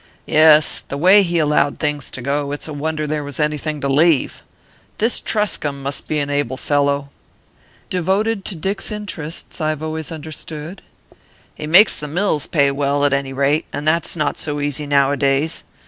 "Yes. The way he allowed things to go, it's a wonder there was anything to leave. This Truscomb must be an able fellow." "Devoted to Dick's interests, I've always understood." "He makes the mills pay well, at any rate, and that's not so easy nowadays.